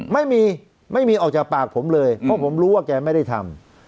ไม่มีไม่มีออกจากปากผมเลยเพราะผมรู้ว่าแกไม่ได้ทำ